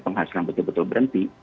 penghasilan betul betul berhenti